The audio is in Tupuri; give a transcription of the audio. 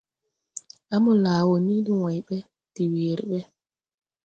Á mo laa wɔ ni de wãy ɓe, de weere ɓe,